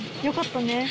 よかったね。